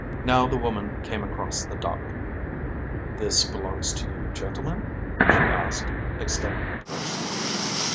Now the woman came across the dock. "This belongs to you, gentlemen?" she asked, extending the purse.